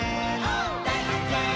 「だいはっけん！」